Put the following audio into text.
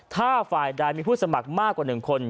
ถ้าฝ่ายใดมีผู้สมัครมากกว่า๑คน